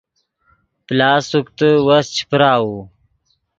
پلاس سوکتے وس چے پراؤو